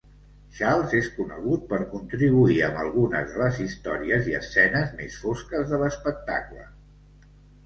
Charles és conegut per contribuir amb algunes de les històries i escenes més fosques de l'espectacle.